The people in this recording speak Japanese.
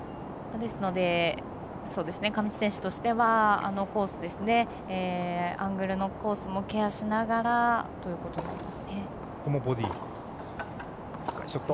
ですので上地選手としてはアングルのコースもケアしながらということになります。